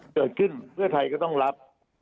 เกิดขึ้นเพื่อไทยก็ต้องรับ